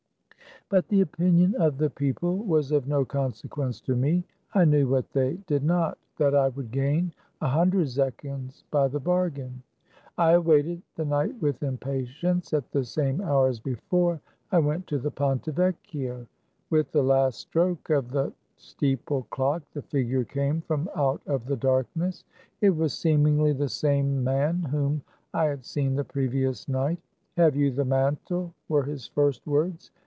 But the opinion of the people was of no conse quence to me. I knew what they did not ; that I would gain a hundred zechins by the bargain. I awaited the night with impatience. At the same hour as before I went to the Ponte Yecchio. With the last stroke of the steeple clock the figure came from out of the darkness. It was, seemingly, the same man whom I had seen the previous night. " Have you the mantle? " were his first words.